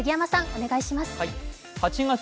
お願いします。